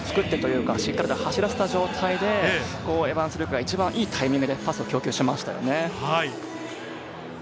溜めを作ってというか、しっかり走らせた状態でエヴァンス・ルークが一番いいタイミングでパスを供給しましたね。